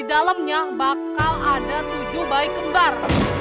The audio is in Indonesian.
dalamnya bakal ada tujuh baik kembar